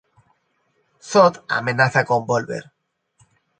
Zod amenaza con volver.